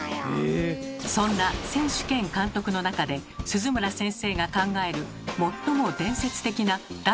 そんな選手兼監督の中で鈴村先生が考える最も伝説的な「代打、オレ」を実行した人物が。